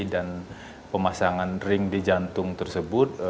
dan pemasangan ring di jantung tersebut